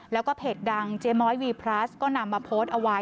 แล้วก็เพจดังเจ๊ม้อยวีพลัสก็นำมาโพสต์เอาไว้